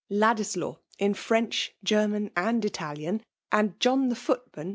Ladislaw, in French, i ''' Oennan, and Italian, and John the footman, VOL.